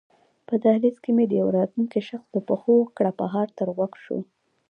په دهلېز کې مې د یوه راتلونکي شخص د پښو کړپهاری تر غوږو شو.